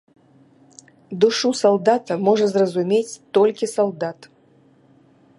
Душу салдата можа зразумець толькі салдат.